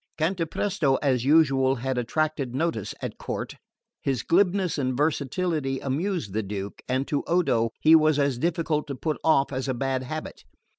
Cantapresto as usual had attracted notice at court. His glibness and versatility amused the Duke, and to Odo he was as difficult to put off as a bad habit.